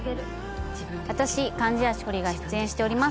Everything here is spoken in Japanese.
私貫地谷しほりが出演しております